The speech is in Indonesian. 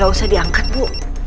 gak usah diangkat bu